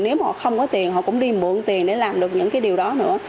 nếu mà họ không có tiền họ cũng đi mượn tiền để làm được những cái điều đó nữa